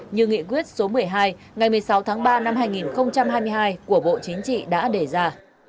như nghị quyết số một mươi hai ngày một mươi sáu tháng ba năm hai nghìn hai mươi hai của bộ chính trị đã đề ra